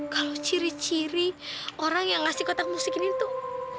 kalau ciri ciri orang yang ngasih kotak musik ini tuh